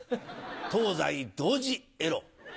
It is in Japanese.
東西同時エロ。